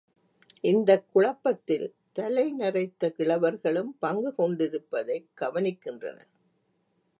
இந்தக் குழப்பத்தில் தலை நரைத்த கிழவர்களும் பங்குகொண்டிருப்பதைக் கவனிக்கின்றனர்.